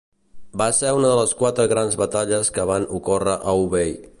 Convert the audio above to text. Va ser una de quatre grans batalles que van ocórrer a Hubei.